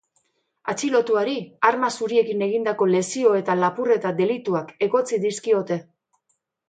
Atxilotuari arma zuriekin egindako lesio eta lapurreta delituak egotzi dizkiote.